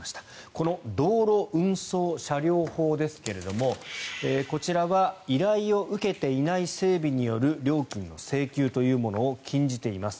この道路運送車両法ですけどもこちらは依頼を受けていない整備による料金の請求というものを禁じています。